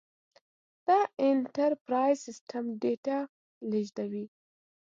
دا انټرپرایز سیسټم ډېره ډیټا لېږدوي.